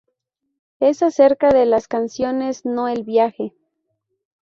Es acerca de las canciones, no el viaje.